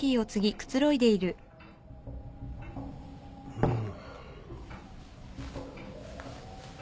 うん。